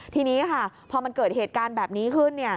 ทีนี้ค่ะพอมันเกิดเหตุการณ์แบบนี้ขึ้น